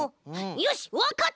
よしわかった！